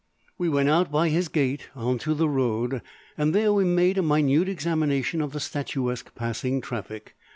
We went out by his gate into the road, and there we made a minute examination of the statuesque passing traffic.